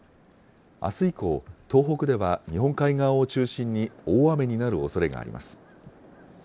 あす以降、東北では日本海側を中心に大雨になるおそれがあります。